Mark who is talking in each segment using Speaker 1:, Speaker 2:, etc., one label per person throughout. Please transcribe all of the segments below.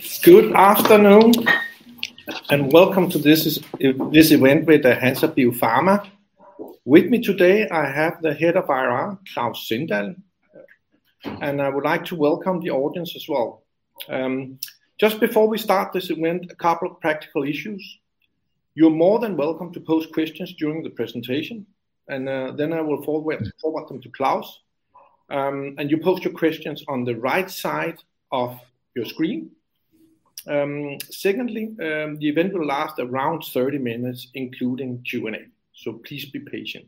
Speaker 1: Oh, good afternoon, and welcome to this event with Hansa Biopharma. With me today, I have the head of IR, Claus Sindal, and I would like to welcome the audience as well. Just before we start this event, a couple of practical issues. You are more than welcome to pose questions during the presentation, and then I will forward them to Claus. And you post your questions on the right side of your screen. Secondly, the event will last around 30 minutes, including Q&A, so please be patient.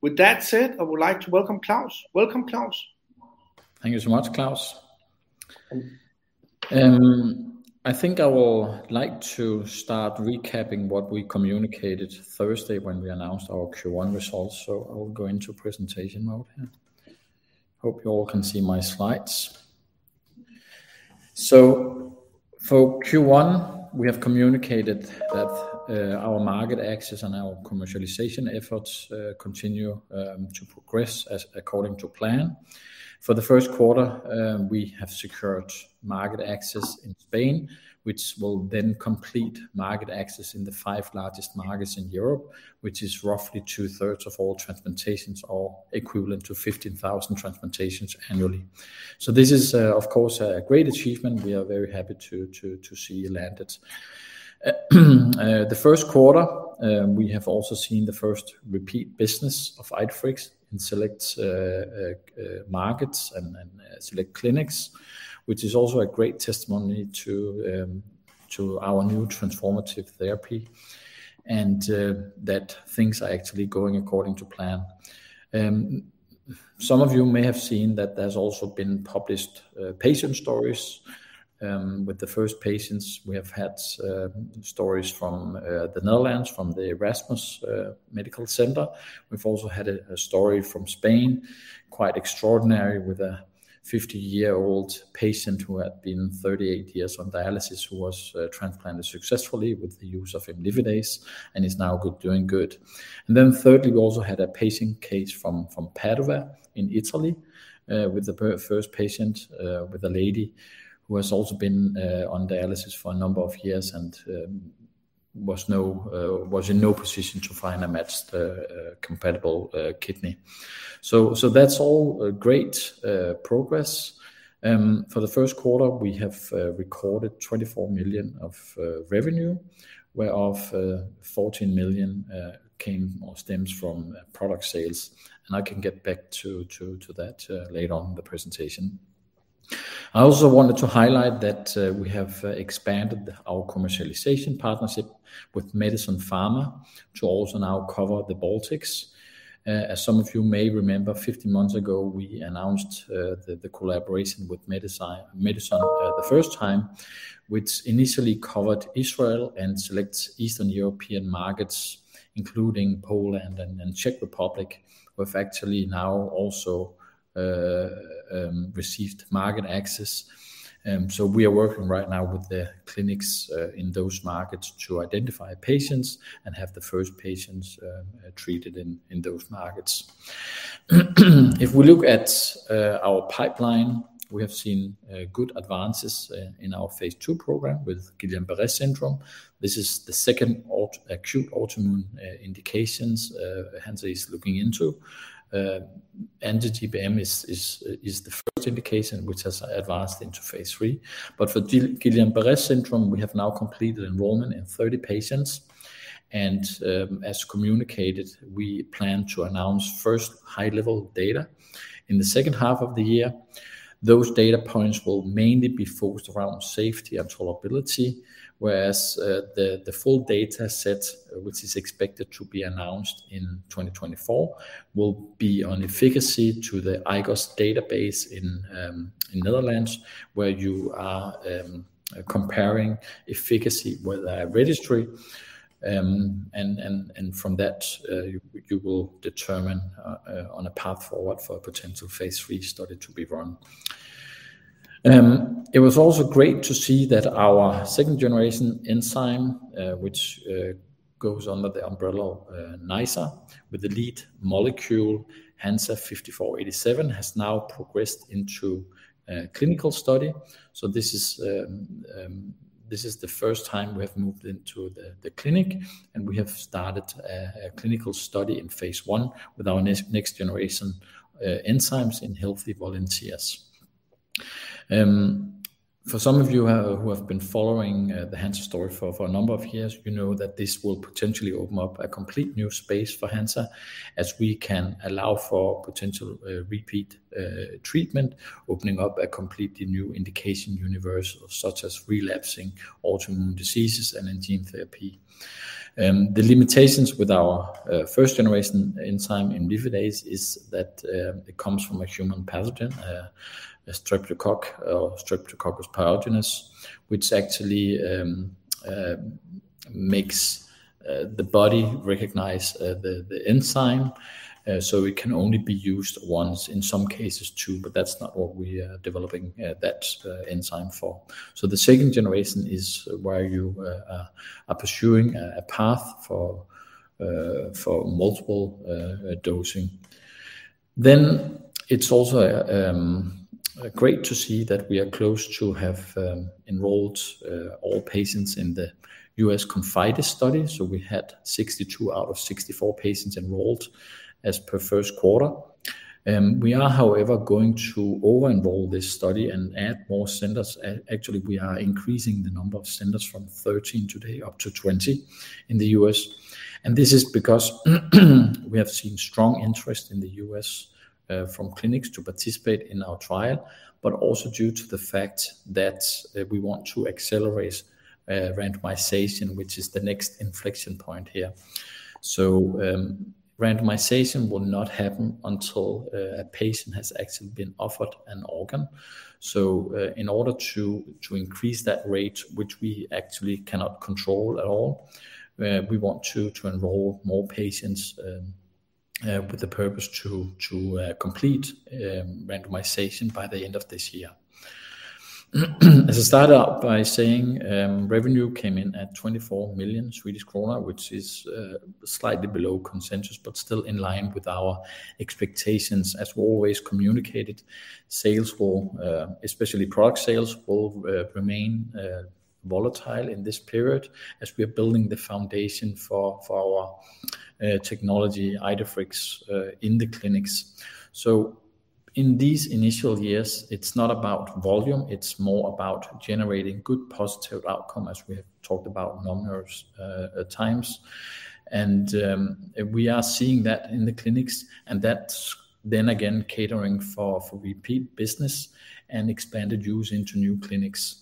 Speaker 1: With that said, I would like to welcome Claus. Welcome, Claus.
Speaker 2: Thank you so much, Claus. I think I will like to start recapping what we communicated Thursday when we announced our Q1 results. I will go into presentation mode here. Hope you all can see my slides. For Q1, we have communicated that our market access and our commercialization efforts continue to progress as according to plan. For the first quarter, we have secured market access in Spain, which will then complete market access in the five largest markets in Europe, which is roughly two-thirds of all transplantations or equivalent to 15,000 transplantations annually. This is, of course, a great achievement. We are very happy to see it landed. The first quarter, we have also seen the first repeat business of Idefirix in select markets and select clinics, which is also a great testimony to our new transformative therapy and that things are actually going according to plan. Some of you may have seen that there's also been published patient stories with the first patients. We have had stories from the Netherlands, from the Erasmus Medical Center. We've also had a story from Spain, quite extraordinary, with a 50-year-old patient who had been 38 years on dialysis, who was transplanted successfully with the use of imlifidase and is now good, doing good. Then thirdly, we also had a patient case from Padova in Italy, with the first patient, with a lady who has also been on dialysis for a number of years and was in no position to find a matched compatible kidney. So that's all great progress. For the first quarter, we have recorded 24 million of revenue, whereof 14 million came or stems from product sales, and I can get back to that later on in the presentation. I also wanted to highlight that we have expanded our commercialization partnership with Medison Pharma to also now cover the Baltics. As some of you may remember, 15 months ago, we announced the collaboration with Medison the first time, which initially covered Israel and select Eastern European markets, including Poland and Czech Republic. We've actually now also received market access, so we are working right now with the clinics in those markets to identify patients and have the first patients treated in those markets. If we look at our pipeline, we have seen good advances in our phase II program with Guillain-Barré syndrome. This is the second acute autoimmune indications Hansa is looking into. Anti-GBM disease is the first indication which has advanced into phase III. But for Guillain-Barré syndrome, we have now completed enrollment in 30 patients, and as communicated, we plan to announce first high-level data in the second half of the year. Those data points will mainly be focused around safety and tolerability, whereas the full data set, which is expected to be announced in 2024, will be on efficacy to the IGOS database in the Netherlands, where you are comparing efficacy with a registry. From that, you will determine on a path forward for a potential phase III study to be run. It was also great to see that our second-generation enzyme, which goes under the umbrella NiceR, with the lead molecule HNSA-5487, has now progressed into a clinical study. So this is the first time we have moved into the clinic, and we have started a clinical study in phase I with our next-generation enzymes in healthy volunteers. For some of you who have been following the Hansa story for a number of years, you know that this will potentially open up a complete new space for Hansa, as we can allow for potential repeat treatment, opening up a completely new indication universe, such as relapsing autoimmune diseases and gene therapy. The limitations with our first-generation enzyme, imlifidase, is that it comes from a human pathogen, a Streptococcus pyogenes, which actually makes the body recognize the enzyme. So it can only be used once, in some cases two, but that's not what we are developing that enzyme for. The second generation is where you are pursuing a path for multiple dosing. Then it's also great to see that we are close to have enrolled all patients in the U.S. ConfIdeS study. So we had 62 out of 64 patients enrolled as per first quarter. We are, however, going to over-enroll this study and add more centers. Actually, we are increasing the number of centers from 13 today, up to 20 in the U.S. This is because we have seen strong interest in the U.S. from clinics to participate in our trial, but also due to the fact that we want to accelerate randomization, which is the next inflection point here. Randomization will not happen until a patient has actually been offered an organ. In order to increase that rate, which we actually cannot control at all, we want to enroll more patients with the purpose to complete randomization by the end of this year. As I started out by saying, revenue came in at 24 million Swedish kronor, which is slightly below consensus, but still in line with our expectations. As we always communicated, sales will, especially product sales, will remain volatile in this period as we are building the foundation for our technology, Idefirix, in the clinics. So in these initial years, it's not about volume, it's more about generating good, positive outcome, as we have talked about numerous times. And we are seeing that in the clinics, and that's then again, catering for repeat business and expanded use into new clinics.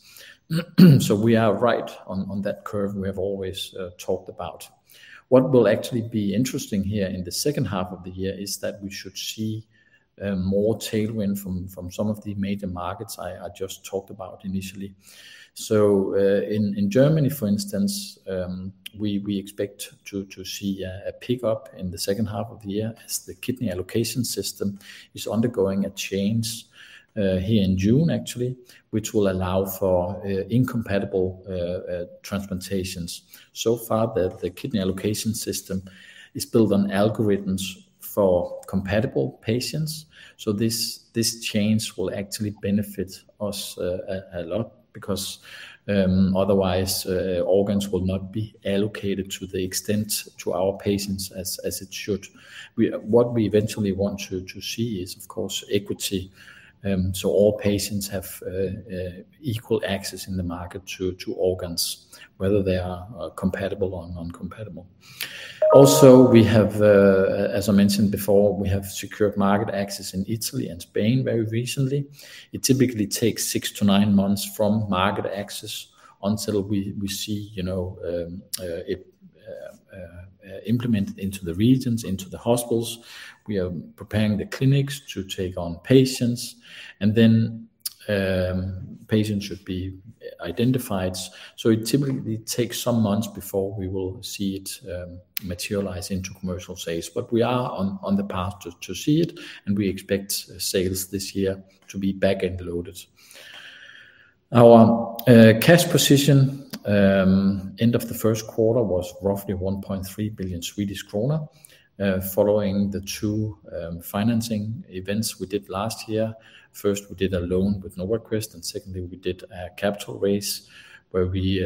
Speaker 2: So we are right on that curve we have always talked about. What will actually be interesting here in the second half of the year is that we should see more tailwind from some of the major markets I just talked about initially. So, in Germany, for instance, we expect to see a pickup in the second half of the year as the kidney allocation system is undergoing a change here in June, actually, which will allow for incompatible transplantations. So far, the kidney allocation system is built on algorithms for compatible patients, so this change will actually benefit us a lot because otherwise organs will not be allocated to the extent to our patients as it should. What we eventually want to see is, of course, equity, so all patients have equal access in the market to organs, whether they are compatible or non-compatible. Also, we have, as I mentioned before, we have secured market access in Italy and Spain very recently. It typically takes six to nine months from market access until we see, you know, it implemented into the regions, into the hospitals. We are preparing the clinics to take on patients, and then patients should be identified. So it typically takes some months before we will see it materialize into commercial sales. But we are on the path to see it, and we expect sales this year to be back-end loaded. Our cash position end of the first quarter was roughly 1.3 billion Swedish krona following the two financing events we did last year. First, we did a loan with NovaQuest, and secondly, we did a capital raise, where we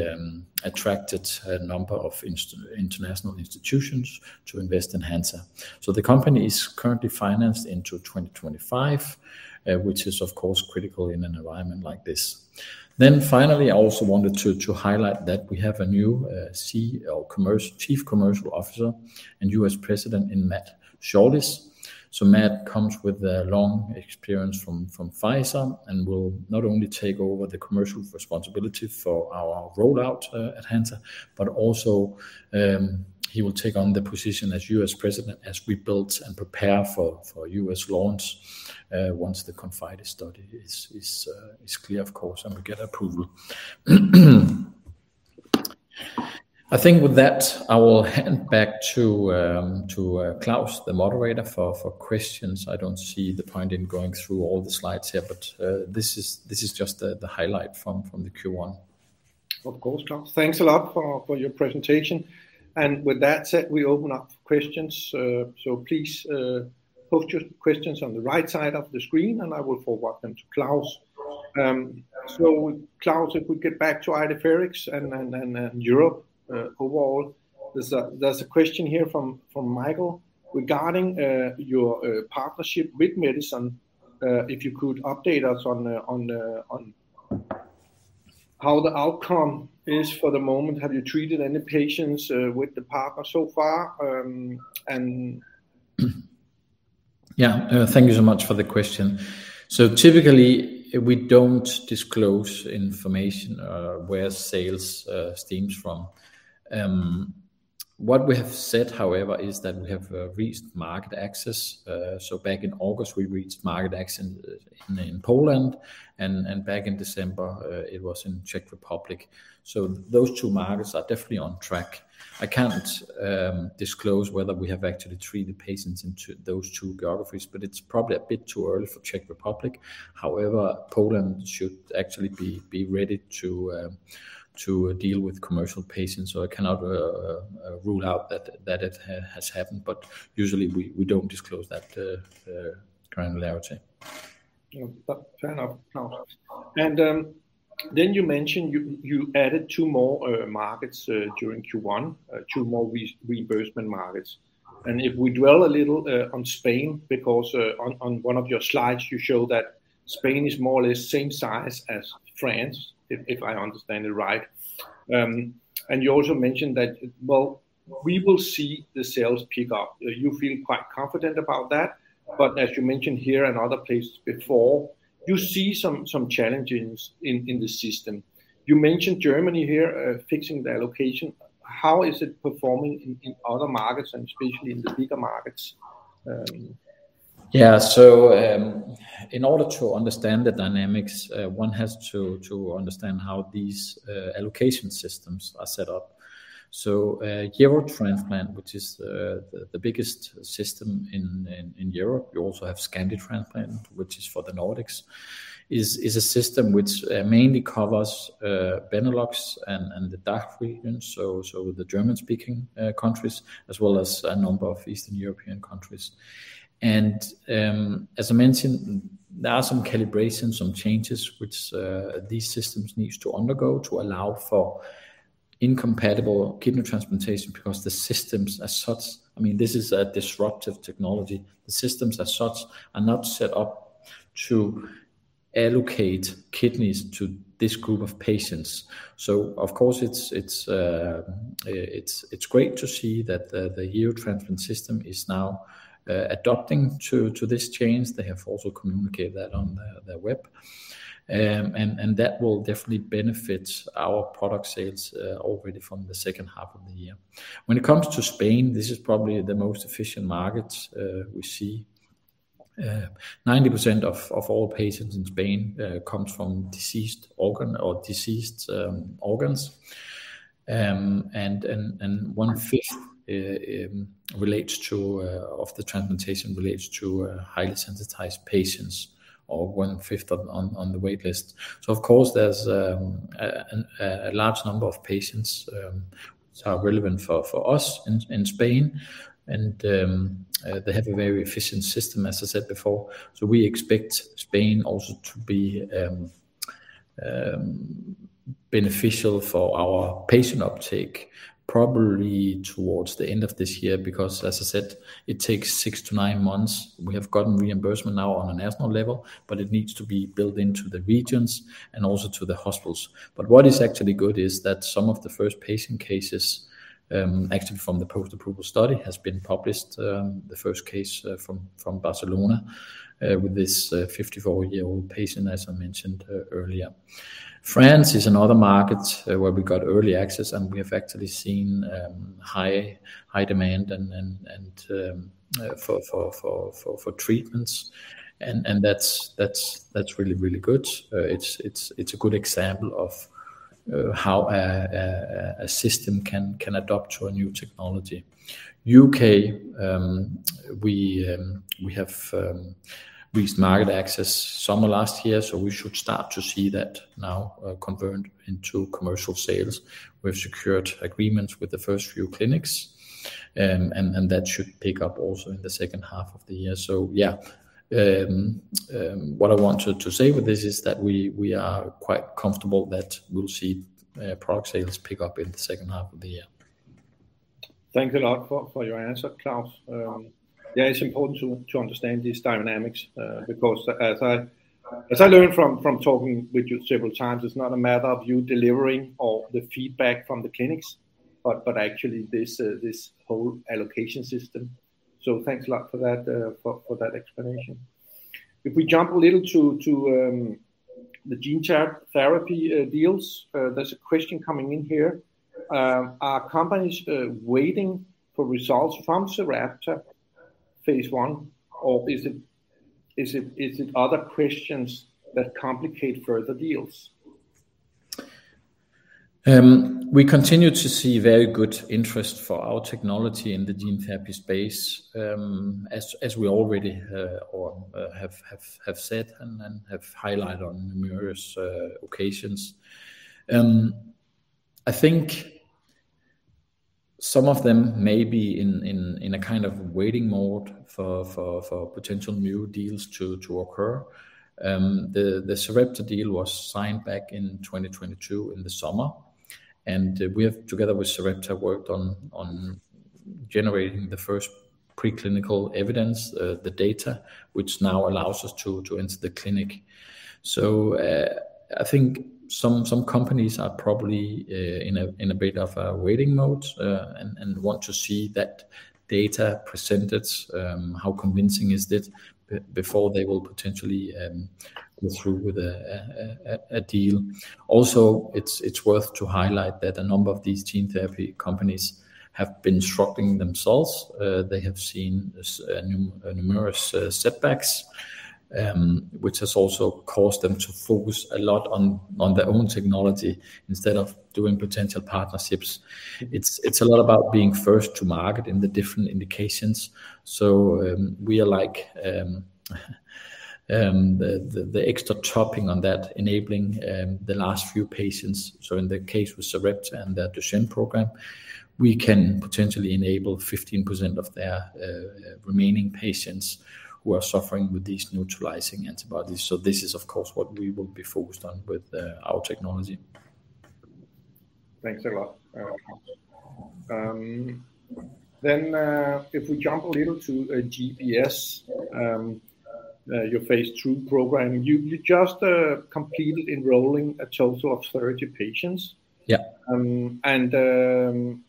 Speaker 2: attracted a number of international institutions to invest in Hansa. The company is currently financed into 2025, which is of course critical in an environment like this. Finally, I also wanted to highlight that we have a new Chief Commercial Officer and U.S. President in Matt Shaulis. So Matt comes with a long experience from Pfizer and will not only take over the commercial responsibility for our rollout at Hansa, but also he will take on the position as U.S. President as we build and prepare for U.S. launch once the ConfIdeS study is clear, of course, and we get approval. I think with that, I will hand back to Claus, the moderator, for questions. I don't see the point in going through all the slides here, but this is just the highlight from the Q1.
Speaker 1: Of course, Claus. Thanks a lot for your presentation. And with that said, we open up for questions. So please post your questions on the right side of the screen, and I will forward them to Claus. So Claus, if we get back to Idefirix and Europe overall, there's a question here from Michael regarding your partnership with Medison. If you could update us on how the outcome is for the moment. Have you treated any patients with the partner so far, and-
Speaker 2: Yeah. Thank you so much for the question. So typically, we don't disclose information where sales stems from. What we have said, however, is that we have reached market access. So back in August, we reached market access in Poland, and back in December, it was in Czech Republic. So those two markets are definitely on track. I can't disclose whether we have actually treated patients in those two geographies, but it's probably a bit too early for Czech Republic. However, Poland should actually be ready to deal with commercial patients, so I cannot rule out that it has happened, but usually, we don't disclose that granularity....
Speaker 1: You know, but fair enough, Claus. And then you mentioned you added two more markets during Q1, two more reimbursement markets. And if we dwell a little on Spain, because on one of your slides, you show that Spain is more or less same size as France, if I understand it right. And you also mentioned that, well, we will see the sales pick up. You feel quite confident about that, but as you mentioned here and other places before, you see some challenges in the system. You mentioned Germany here, fixing the allocation. How is it performing in other markets and especially in the bigger markets?
Speaker 2: Yeah. So, in order to understand the dynamics, one has to understand how these allocation systems are set up. So, Eurotransplant, which is the biggest system in Europe, you also have Scandiatransplant, which is for the Nordics, is a system which mainly covers Benelux and the DACH region, so the German-speaking countries, as well as a number of Eastern European countries. And, as I mentioned, there are some calibrations, some changes, which these systems needs to undergo to allow for incompatible kidney transplantation because the systems as such... I mean, this is a disruptive technology. The systems as such, are not set up to allocate kidneys to this group of patients. So of course, it's great to see that the Eurotransplant system is now adapting to this change. They have also communicated that on their website. And that will definitely benefit our product sales already from the second half of the year. When it comes to Spain, this is probably the most efficient market we see. 90% of all patients in Spain comes from deceased organs. And one fifth of the transplantation relates to highly sensitized patients, or one fifth on the wait list. So of course, there's a large number of patients which are relevant for us in Spain. They have a very efficient system, as I said before. So we expect Spain also to be beneficial for our patient uptake probably towards the end of this year, because as I said, it takes six to nine months. We have gotten reimbursement now on a national level, but it needs to be built into the regions and also to the hospitals. But what is actually good is that some of the first patient cases actually from the post-approval study has been published. The first case from Barcelona with this 54-year-old patient, as I mentioned earlier. France is another market where we got early access, and we have actually seen high high demand and for treatments. And that's really good. It's a good example of how a system can adapt to a new technology. U.K., we have reached market access summer last year, so we should start to see that now, converted into commercial sales. We've secured agreements with the first few clinics, and that should pick up also in the second half of the year. What I wanted to say with this is that we are quite comfortable that we'll see product sales pick up in the second half of the year.
Speaker 1: Thank you a lot for your answer, Claus. Yeah, it's important to understand these dynamics, because as I learned from talking with you several times, it's not a matter of you delivering or the feedback from the clinics, but actually this whole allocation system. So thanks a lot for that, for that explanation. If we jump a little to the gene therapy deals, there's a question coming in here. Are companies waiting for results from Sarepta phase one, or is it other questions that complicate further deals?
Speaker 2: We continue to see very good interest for our technology in the gene therapy space. As we already have said and have highlighted on numerous occasions. I think some of them may be in a kind of waiting mode for potential new deals to occur. The Sarepta deal was signed back in 2022, in the summer, and we have, together with Sarepta, worked on generating the first preclinical evidence, the data, which now allows us to enter the clinic. I think some companies are probably in a bit of a waiting mode and want to see that data presented, how convincing is it, before they will potentially go through with a deal. Also, it's worth to highlight that a number of these gene therapy companies have been struggling themselves. They have seen this numerous setbacks, which has also caused them to focus a lot on their own technology instead of doing potential partnerships. It's a lot about being first to market in the different indications. So we are like the extra topping on that, enabling the last few patients. So in the case with Sarepta and their Duchenne program, we can potentially enable 15% of their remaining patients who are suffering with these neutralizing antibodies. So this is, of course, what we will be focused on with our technology....
Speaker 1: Thanks a lot. Then, if we jump a little to GBS, your phase II program, you just completed enrolling a total of 30 patients.
Speaker 2: Yeah.
Speaker 1: And,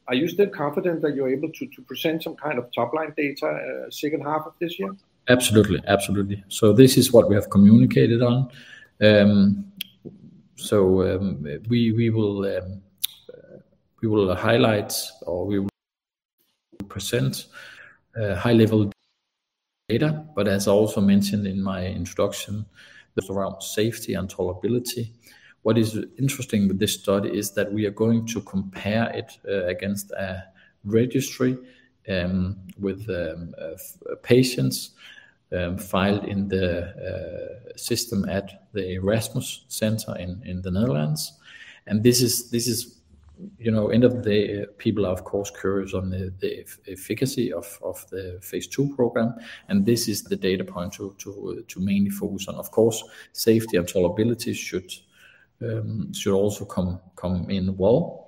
Speaker 1: are you still confident that you're able to present some kind of top-line data, second half of this year?
Speaker 2: Absolutely. So this is what we have communicated on. We will highlight or we will present high level data, but as I also mentioned in my introduction, just around safety and tolerability. What is interesting with this study is that we are going to compare it against a registry with patients filed in the system at the Erasmus Center in the Netherlands. And this is, you know, end of the day, people are of course curious on the efficacy of the phase II program, and this is the data point to mainly focus on. Of course, safety and tolerability should also come in well.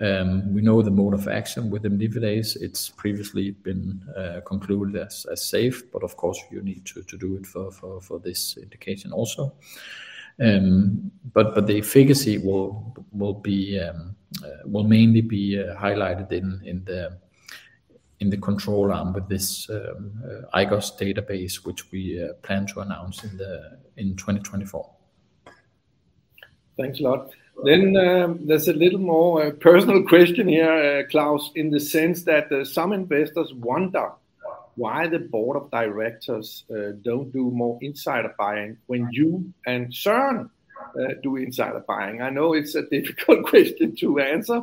Speaker 2: We know the mode of action with imlifidase. It's previously been concluded as safe, but of course, you need to do it for this indication also. But the efficacy will mainly be highlighted in the control arm with this IGOS database, which we plan to announce in 2024.
Speaker 1: Thanks a lot, then there's a little more personal question here, Claus, in the sense that some investors wonder why the board of directors don't do more insider buying when you and Søren do insider buying? I know it's a difficult question to answer.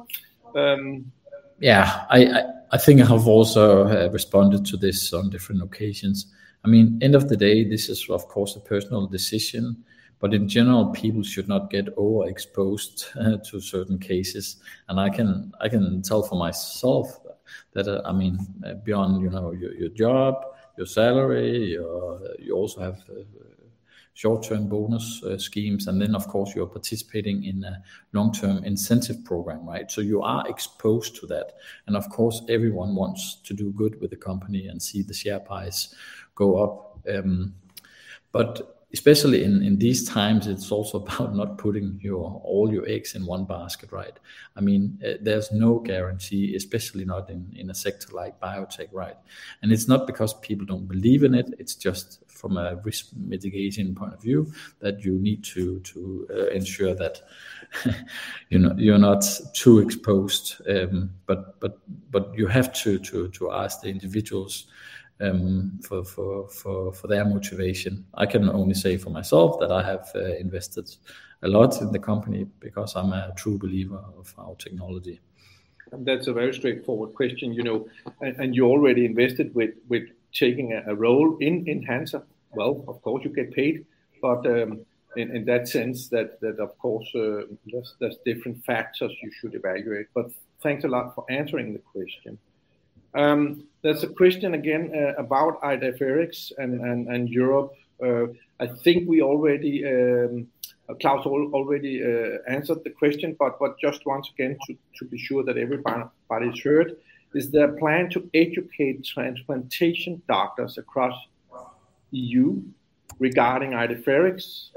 Speaker 2: Yeah, I think I have also responded to this on different occasions. I mean, end of the day, this is of course a personal decision, but in general, people should not get overexposed to certain cases. And I can tell for myself that, I mean, beyond, you know, your job, your salary, your... You also have short-term bonus schemes, and then, of course, you are participating in a long-term incentive program, right? So you are exposed to that. And of course, everyone wants to do good with the company and see the share price go up. But especially in these times, it's also about not putting all your eggs in one basket, right? I mean, there's no guarantee, especially not in a sector like biotech, right? And it's not because people don't believe in it, it's just from a risk mitigation point of view that you need to ensure that, you know, you're not too exposed. But you have to ask the individuals for their motivation. I can only say for myself that I have invested a lot in the company because I'm a true believer of our technology.
Speaker 1: That's a very straightforward question, you know, and you already invested with taking a role in Hansa. Well, of course, you get paid, but in that sense that of course there's different factors you should evaluate. But thanks a lot for answering the question. There's a question again about Idefirix and Europe. I think Claus already answered the question, but just once again, to be sure that everybody heard, is there a plan to educate transplantation doctors across E.U. regarding Idefirix?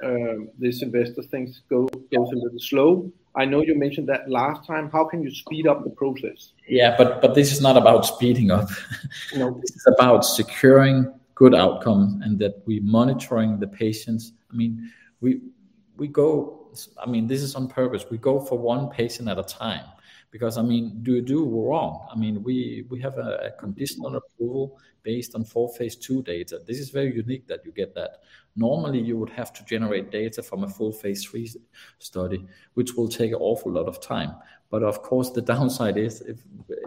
Speaker 1: This investor thinks goes a little slow. I know you mentioned that last time. How can you speed up the process?
Speaker 2: Yeah, but this is not about speeding up.
Speaker 1: No.
Speaker 2: This is about securing good outcome and that we're monitoring the patients. I mean, we go. I mean, this is on purpose. We go for one patient at a time because, I mean, do wrong. I mean, we have a conditional approval based on full phase II data. This is very unique that you get that. Normally, you would have to generate data from a full phase III study, which will take an awful lot of time. But of course, the downside is, if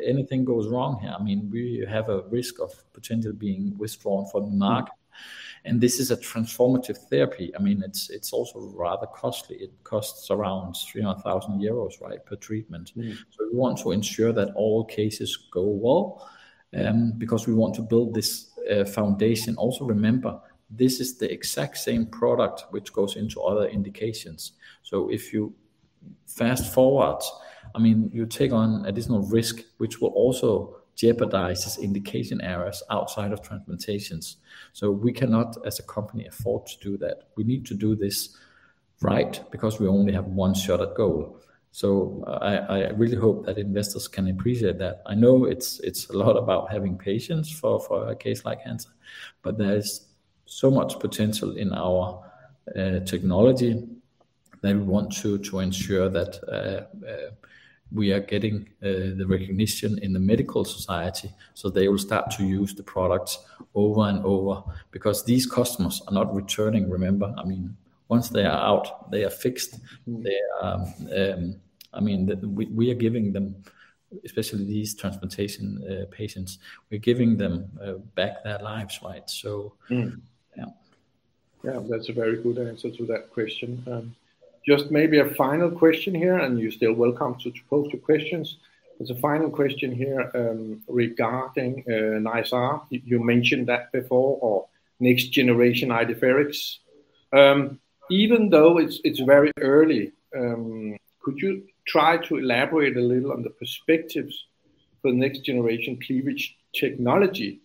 Speaker 2: anything goes wrong here, I mean, we have a risk of potentially being withdrawn from the market, and this is a transformative therapy. I mean, it's also rather costly. It costs around 300,000 euros, right, per treatment.
Speaker 1: Mm.
Speaker 2: So we want to ensure that all cases go well, because we want to build this foundation. Also, remember, this is the exact same product which goes into other indications. So if you fast forward, I mean, you take on additional risk, which will also jeopardize this indication areas outside of transplantations. So we cannot, as a company, afford to do that. We need to do this right because we only have one shot at goal. So I really hope that investors can appreciate that. I know it's a lot about having patience for a case like Hansa, but there is so much potential in our technology that we want to ensure that we are getting the recognition in the medical society, so they will start to use the products over and over. Because these customers are not returning, remember. I mean, once they are out, they are fixed.
Speaker 1: Mm.
Speaker 2: They are, I mean, we are giving them, especially these transplantation patients, we're giving them back their lives, right? So-
Speaker 1: Mm.
Speaker 2: Yeah.
Speaker 1: Yeah, that's a very good answer to that question. Just maybe a final question here, and you're still welcome to post your questions. There's a final question here, regarding NiceR, you mentioned that before, or next generation Idefirix... Even though it's very early, could you try to elaborate a little on the perspectives for next generation cleavage technology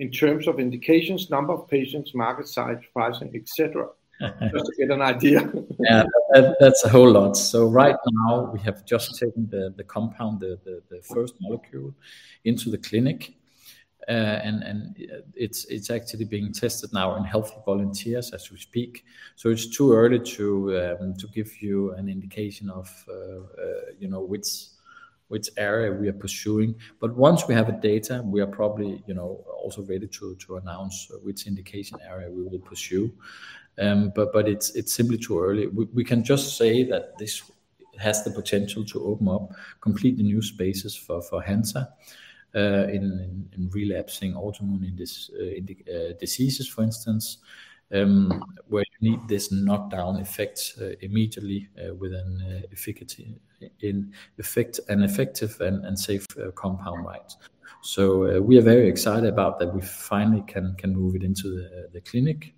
Speaker 1: in terms of indications, number of patients, market size, pricing, et cetera? Just to get an idea.
Speaker 2: Yeah, that, that's a whole lot. So right now, we have just taken the compound, the first molecule into the clinic. And it's actually being tested now in healthy volunteers as we speak. So it's too early to give you an indication of, you know, which area we are pursuing. But once we have the data, we are probably, you know, also ready to announce which indication area we will pursue. But it's simply too early. We can just say that this has the potential to open up completely new spaces for Hansa, in relapsing autoimmune diseases, for instance, where you need this knockdown effect immediately, with an efficacy in effect, an effective and safe compound wise. We are very excited about that. We finally can move it into the clinic,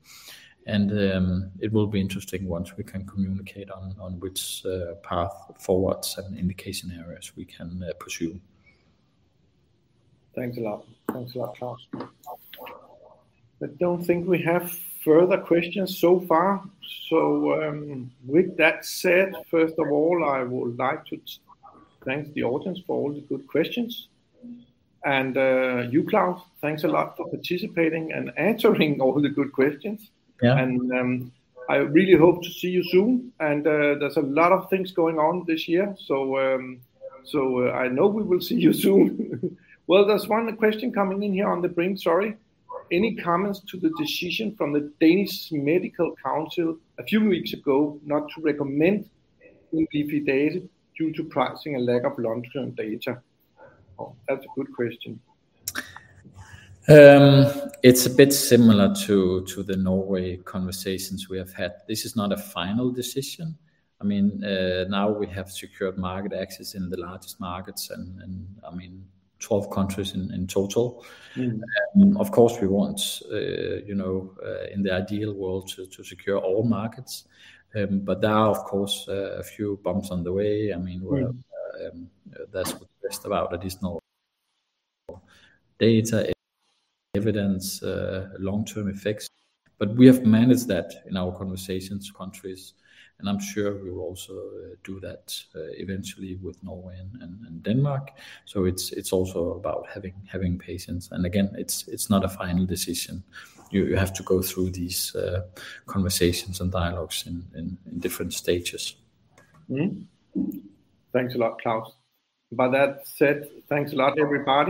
Speaker 2: and it will be interesting once we can communicate on which path forwards and indication areas we can pursue.
Speaker 1: Thanks a lot. Thanks a lot, Claus. I don't think we have further questions so far. So, with that said, first of all, I would like to thank the audience for all the good questions. And, you, Claus, thanks a lot for participating and answering all the good questions.
Speaker 2: Yeah.
Speaker 1: I really hope to see you soon. There's a lot of things going on this year, so I know we will see you soon. There's one question coming in here on the line. Sorry. Any comments to the decision from the Danish Medical Council a few weeks ago, not to recommend Idefirix due to pricing and lack of long-term data? Oh, that's a good question.
Speaker 2: It's a bit similar to the Norway conversations we have had. This is not a final decision. I mean, now we have secured market access in the largest markets, and I mean, twelve countries in total.
Speaker 1: Mm-hmm.
Speaker 2: Of course, we want, you know, in the ideal world to secure all markets, but there are, of course, a few bumps on the way. I mean-
Speaker 1: Mm...
Speaker 2: well, that's what's best about additional data, evidence, long-term effects. But we have managed that in our conversations with countries, and I'm sure we will also do that eventually with Norway and Denmark. So it's also about having patience. And again, it's not a final decision. You have to go through these conversations and dialogues in different stages.
Speaker 1: Mm-hmm. Thanks a lot, Claus. With that said, thanks a lot, everybody.